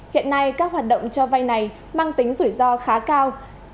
hiện nay các hoạt động cho vay này mang tính rủi ro khá cao